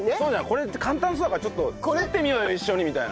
これ簡単そうだから作ってみようよ一緒にみたいな。